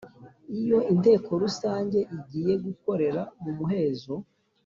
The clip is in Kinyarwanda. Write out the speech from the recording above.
Iyo inteko rusange igiye gukorera mu muhezo